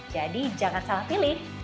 jadi jangan salah pilih